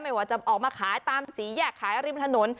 ไม่ว่าจะเอามาขายตามสีแยกขายไอธริมถนน